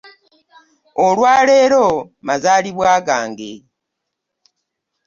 Olwa leero mazalibwa gange.